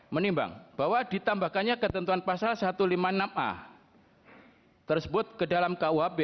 menimbang bahwa ditambahkannya ketentuan pasal satu ratus lima puluh enam a tersebut ke dalam kuhp